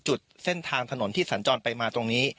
จุดเส้นทางถนนที่สัญจรไปมาตรงนี้